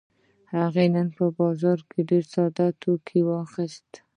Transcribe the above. هغه نن په بازار کې ډېر ساده توکي واخيستل.